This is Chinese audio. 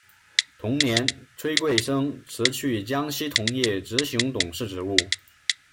同年崔贵生辞去江西铜业执行董事职务。